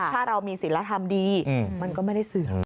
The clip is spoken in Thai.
ถ้าเรามีศิลธรรมดีมันก็ไม่ได้เสื่อม